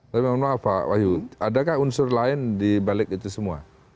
tapi mohon maaf pak wahyu adakah unsur lain dibalik itu semua